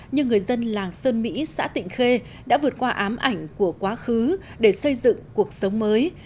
nhưng người dân làng sơn mỹ xã tịnh khê đã vượt qua ám ảnh của quá khứ để xây dựng cuộc sống mới